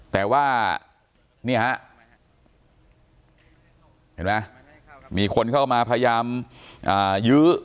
แต่ว่านี่ฮะเห็นไหมมีคนเข้ามาพยายามยื้อ